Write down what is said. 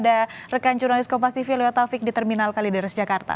sebelumnya ada rekan jurnalis kompas tv lio taufik di terminal kalideras jakarta